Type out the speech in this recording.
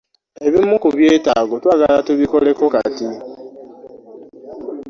Ebimu ku byetaago twagala tubikoleko kati.